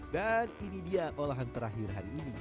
dan ini dia olahan terakhir hari ini